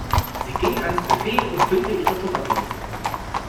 Sie ging ans Buffet und füllte ihre Tupperdosen.